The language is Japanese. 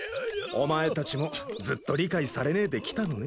お前たちもずっと理解されねえできたのね。